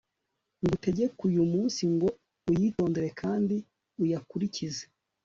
ngutegeka uyu munsi ngo uyitondere kandi uyakurikize